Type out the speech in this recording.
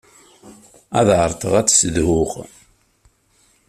Ad ɛerḍeɣ ad tt-ssedhuɣ.